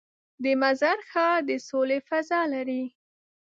د مزار ښار د سولې فضا لري.